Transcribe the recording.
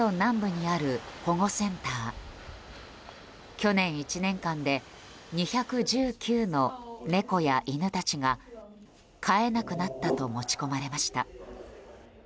去年１年間で２１９の猫や犬たちが飼えなくなったと持ち込まれました。